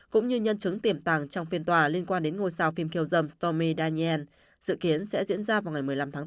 cũng như nhân chứng tiềm tàng trong phiên tòa liên quan đến ngôi sao phim keo dầm stomy daniel dự kiến sẽ diễn ra vào ngày một mươi năm tháng bốn